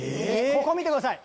ここを見てください。